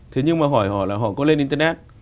thế nhưng mà hỏi họ là họ có lên internet